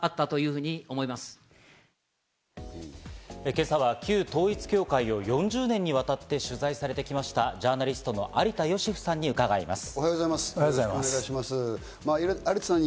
今朝は旧統一教会を４０年にわたって取材されてきましたジャーナリストの有田芳生さんに伺います。